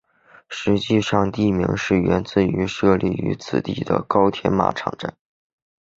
实际上地名是源自于设立于此的高田马场站。